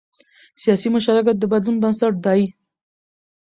سیاسي مشارکت د بدلون بنسټ دی